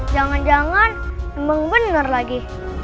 jangan jangan emang bener lagi